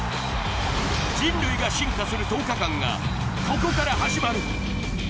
人類が進化する１０日間がここから始まる。